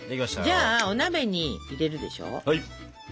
じゃあお鍋に入れるでしょ。